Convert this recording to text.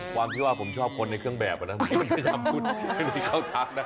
ความที่ว่าผมชอบคนในเครื่องแบบมันก็ไม่ชอบคุณในข้าวทางนั้น